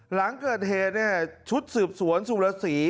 หลังเกิดเหตุเนี่ยชุดสืบสวนศูนย์ศูนย์สี